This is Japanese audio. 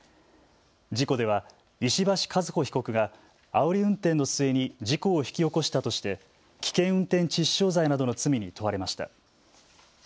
事故では石橋和歩被告があおり運転の末に事故を引き起こしたとして危険運転致死傷罪などの罪に問われました。